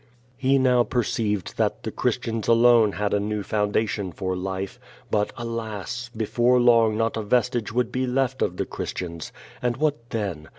He now perceived that the Christians alone had a new foundation for life. But, alas! before long not a vestige would be left of the Christians. And what then?